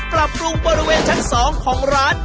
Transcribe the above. ปรับปรุงบริเวณชั้น๒ของร้าน